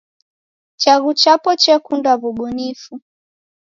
Chaghu chapo chekunda w'ubunifu.